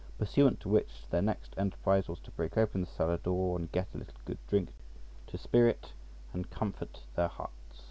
Pursuant to which, their next enterprise was to break open the cellar door and get a little good drink to spirit and comfort their hearts {99b}.